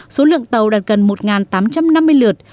số lượng tàu đạt gần một tám trăm năm mươi lượt